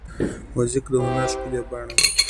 موزیک د هنر ښکلې بڼه ده.